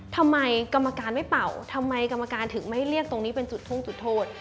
ทำไมกรรมการไม่เป่าทำไมกรรมการถึงไม่เรียกตรงนี้เป็นจุดทุ่งจุดโทษ